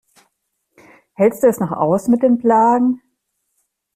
Hältst du es noch aus mit den Blagen?